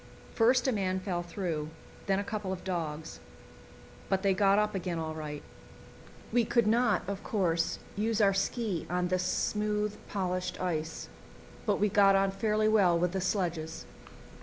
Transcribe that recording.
First a man fell through, then a couple of dogs; but they got up again all right. We could not, of course, use our ski on this smooth polished ice, but we got on fairly well with the sledges.